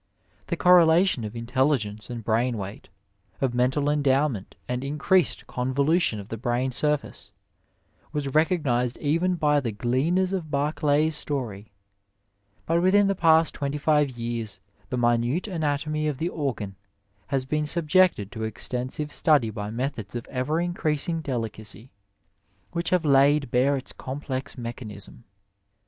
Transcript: The correlation of intelli gence and brain weight, of mental endowment and in creased convolution of the brain surface, was recognized 92 Digitized by Google THE LEAVEN OF SCIENCE even by the gleaneTB of Barclay^s stoiy ; but within the past twenty five years the minute anatomy of the organ has been subjected to extensive study by methods of ever increasing delicacy, which have laid bare its complex mechanism.